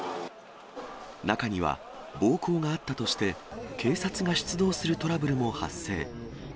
中には暴行があったとして、警察が出動するトラブルも発生。